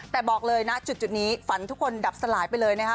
แต่บอกเลยนะจุดนี้ฝันทุกคนดับสลายไปเลยนะคะ